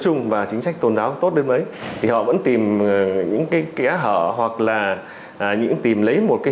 chung và chính sách tôn giáo tốt đến mấy thì họ vẫn tìm những cái kẽ hở hoặc là tìm lấy một cái